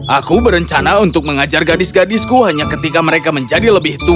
aku berencana untuk mengajar gadis gadisku hanya ketika mereka menjadi lebih tua